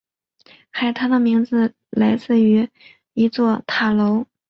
海滩的名字来自于一座塔楼。